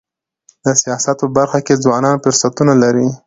د سیاست په برخه کي ځوانان فرصتونه لري.